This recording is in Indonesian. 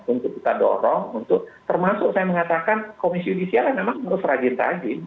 untuk kita dorong untuk termasuk saya mengatakan komisi judisial memang harus rajin rajin